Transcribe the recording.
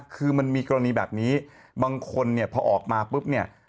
คือมันมีกรณีแบบนี้บางคนเนี่ยพอออกมาปุ๊บเนี่ย